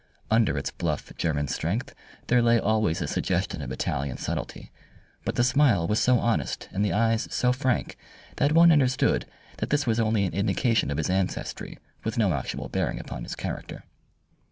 Under its bluff German strength there lay always a suggestion of Italian subtlety, but the smile was so honest, and the eyes so frank, that one understood that this was only an indication of his ancestry, with no actual bearing upon his character.